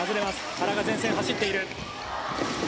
原が前線走っている。